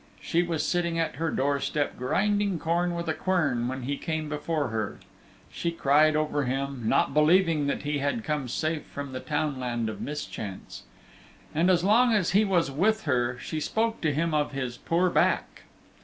She was sitting at her door step grinding corn with a quern when he came before her. She cried over him, not believing that he had come safe from the Townland of Mischance. And as long as he was with her she spoke to him of his "poor back."